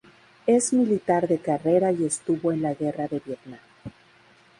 Es militar de carrera y estuvo en la Guerra de Vietnam.